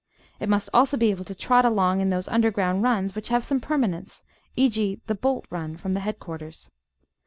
It must also be able to trot along in those imderground runs which have some per manence, e.g. the "bolt run" from the headquarters.